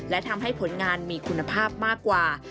และทำให้ผลงานมีคุณภาพมากกว่า